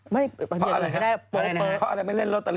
ไม่อยากเล่นก็ได้โป๊บเพราะอะไรไม่เล่นล็อตเตอรี่